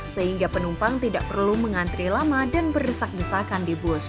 sehingga penumpang tidak perlu mengantri lama dan berdesak desakan di bus